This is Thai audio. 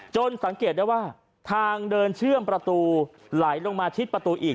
สังเกตได้ว่าทางเดินเชื่อมประตูไหลลงมาชิดประตูอีก